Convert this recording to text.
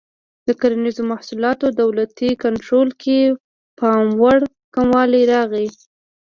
د کرنیزو محصولاتو دولتي کنټرول کې پاموړ کموالی راغی.